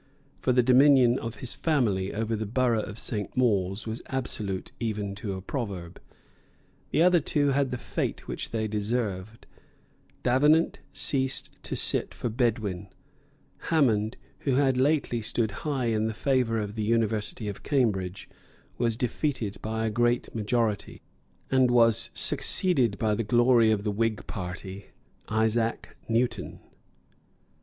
For the dominion of his family over the borough of St. Mawes was absolute even to a proverb. The other two had the fate which they deserved. Davenant ceased to sit for Bedwin. Hammond, who had lately stood high in the favour of the University of Cambridge, was defeated by a great majority, and was succeeded by the glory of the Whig party, Isaac Newton.